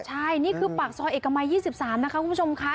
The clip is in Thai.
ใช่นี่คือปากซอยเอกมัย๒๓นะคะคุณผู้ชมค่ะ